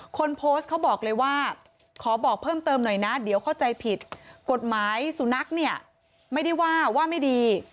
คนโพสต์เขาบอกเลยว่าขอบอกเพิ่มเติมหน่อยนะเดี๋ยวเข้าใจผิดกฎหมายสุนัขเนี่ยไม่ได้ว่าว่าไม่ดี